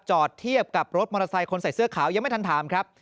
จอดเทียบกับรถมอเตอร์ไซค์คนใส่เสื้อขาวยังไม่ทันถามครับ